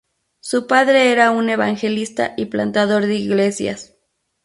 Su padre era un evangelista y plantador de iglesias.